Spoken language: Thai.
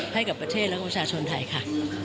ให้กับประเทศและประชาชนไทยค่ะ